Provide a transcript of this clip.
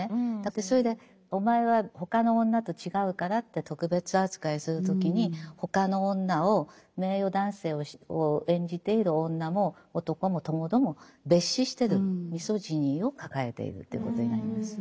それでお前は他の女と違うからって特別扱いする時に他の女を名誉男性を演じている女も男もともども蔑視してるミソジニーを抱えているということになります。